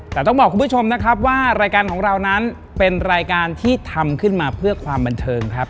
แต่ต้องบอกคุณผู้ชมนะครับว่ารายการของเรานั้นเป็นรายการที่ทำขึ้นมาเพื่อความบันเทิงครับ